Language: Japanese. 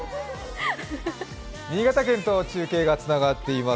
新潟県と中継がつながっています。